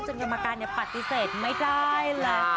จนยำมาการปฏิเสธไม่ได้ละ